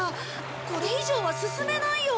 これ以上は進めないよ。